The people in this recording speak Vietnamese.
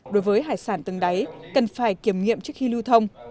đối với hải sản từng đáy cần phải kiểm nghiệm trước khi lưu thông